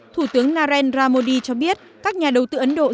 thủ tướng narendra modi cho biết các nhà đầu tư ấn độ